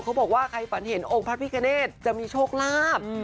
เขาบอกว่าใครฝันเห็นองค์พระพิคเนธจะมีโชคลาภ